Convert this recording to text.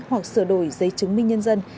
hoặc sửa đổi giấy chứng minh nhân dân